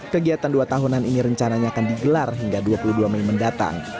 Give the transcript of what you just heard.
kegiatan dua tahunan ini rencananya akan digelar hingga dua puluh dua mei mendatang